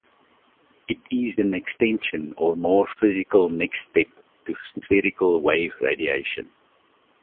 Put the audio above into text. It is an extension, or a more physical next-step, to spherical wave radiation.